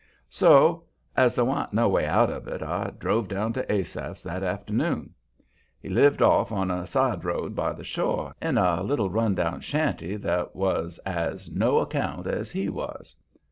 So, as there wa'n't no way out of it, I drove down to Asaph's that afternoon. He lived off on a side road by the shore, in a little, run down shanty that was as no account as he was.